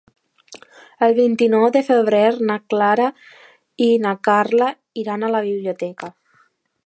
El vint-i-nou de febrer na Clara i na Carla iran a la biblioteca.